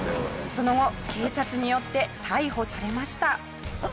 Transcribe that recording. その後警察によって逮捕されました。